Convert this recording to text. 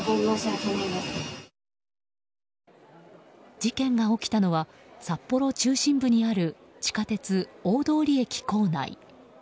事件が起きたのは札幌中心部にある地下鉄大通駅構内。